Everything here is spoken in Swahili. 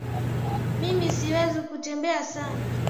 Mimi siwezi kutembea sana